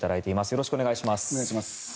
よろしくお願いします。